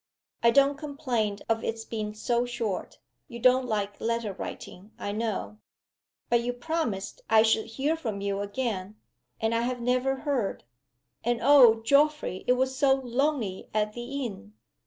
"I don't complain of its being so short: you don't like letter writing, I know. But you promised I should hear from you again. And I have never heard. And oh, Geoffrey, it was so lonely at the inn!"